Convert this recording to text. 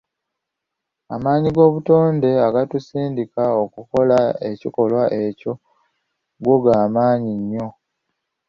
Amaanyi gobutonde agatusindika okukola ekikolwa ekyo go gamaanyi nnyo.